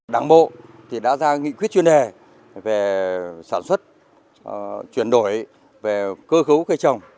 đảng bộ thì đã ra nghị quyết chuyên đề về sản xuất chuyển đổi về cơ khấu cây trồng